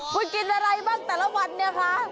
คุณกินอะไรบ้างแต่ละวันเนี่ยคะ